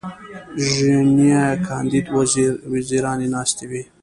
ژینینه کاندید وزیرانې ناستې وې.